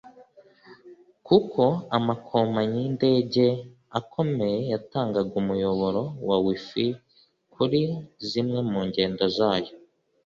kuko amakompanyi y’indege akomeye yatangaga umuyoboro wa WiFi kuri zimwe mu ngendo zayo